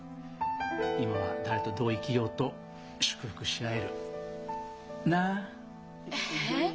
今は誰とどう生きようと祝福し合える。なあ？えっ？